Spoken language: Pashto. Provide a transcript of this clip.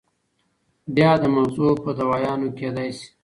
بيا د مزغو پۀ دوايانو کېدے شي